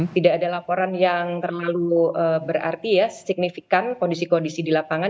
tidak ada laporan yang terlalu berarti ya signifikan kondisi kondisi di lapangan